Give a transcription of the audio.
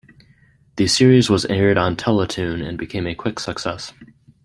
The series was aired on Teletoon and became a quick success.